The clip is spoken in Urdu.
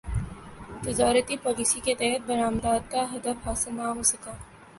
تجارتی پالیسی کے تحت برامدات کا ہدف حاصل نہ ہوسکا